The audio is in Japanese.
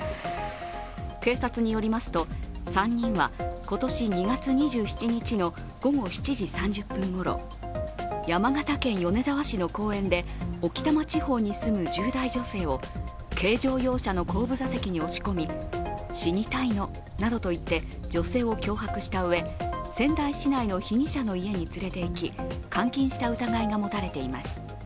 警察によりますと、３人は今年２月２７日の午後７時３０分ごろ、山形県米沢市の公園で置賜地方に住む１０代女性を軽乗用車の後部座席に押し込み死にたいの？などと言って女性を脅迫したうえ仙台市内の被疑者の家に連れていき、監禁した疑いが持たれています。